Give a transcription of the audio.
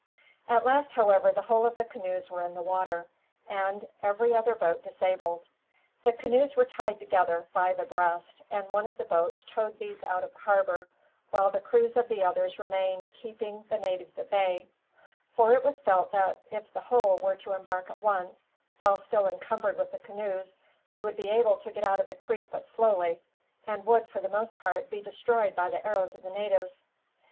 At last, however, the whole of the canoes were in the water, and every other boat disabled. The canoes were tied together, five abreast, and one of the boats towed these out of the harbor, while the crews of the others remained, keeping the natives at bay; for it was felt that if the whole were to embark at once, while still encumbered with the canoes, they would be able to get out of the creek but slowly; and would, for the most part, be destroyed by the arrows of the natives.